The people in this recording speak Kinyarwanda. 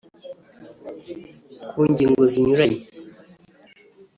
Ku ngingo zinyuranye